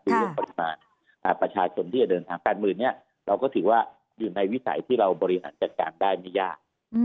คือเรื่องปริมาณประชาชนที่จะเดินทาง๘๐๐๐เนี่ยเราก็ถือว่าอยู่ในวิสัยที่เราบริหารจัดการได้ไม่ยาก